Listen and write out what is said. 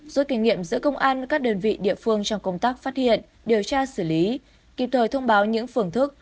rút kinh nghiệm giữa công an các đơn vị địa phương trong công tác phát hiện điều tra xử lý kịp thời thông báo những phương thức